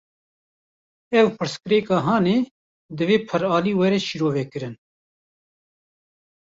Ev pirsgirêka hanê, divê piralî were şîrovekirin